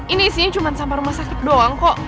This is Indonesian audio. ini isinya cuma sampah rumah sakit doang kok